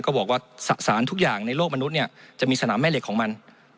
บอกว่าสารทุกอย่างในโลกมนุษย์เนี่ยจะมีสนามแม่เหล็กของมัน